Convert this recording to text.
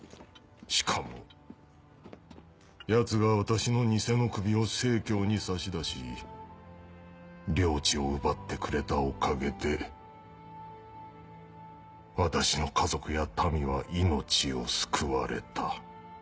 しかも奴が私の偽の首を成に差し出し領地を奪ってくれたおかげで私の家族や民は命を救われた。